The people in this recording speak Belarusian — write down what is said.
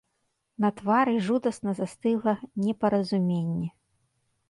На твары жудасна застыгла непаразуменне.